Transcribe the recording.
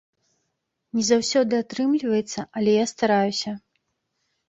Не заўсёды атрымліваецца, але я стараюся.